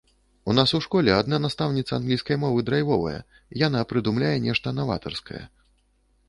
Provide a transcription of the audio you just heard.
У нас у школе адна настаўніца англійскай мовы драйвовая, яна прыдумляе нешта наватарскае.